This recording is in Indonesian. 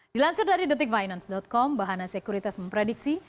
dilansir dari detikfinance com bahana sekuritas memprediksi